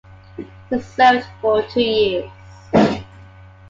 He served for two years.